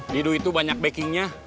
didu itu banyak backingnya